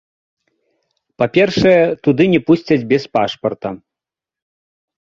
Па-першае, туды не пусцяць без пашпарта.